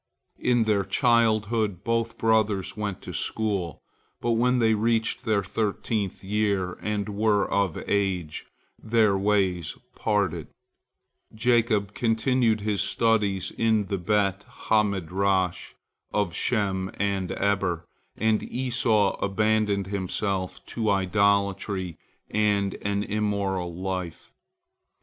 In their childhood, both brothers went to school, but when they reached their thirteenth year, and were of age, their ways parted. Jacob continued his studies in the Bet ha Midrash of Shem and Eber, and Esau abandoned himself to idolatry and an immoral life.